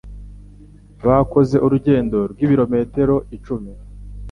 Bakoze urugendo rw'ibirometero icumi